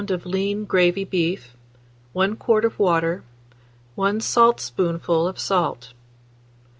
of lean gravy beef, 1 quart of water, 1 saltspoonful of salt.